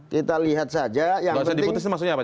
kita lihat saja yang penting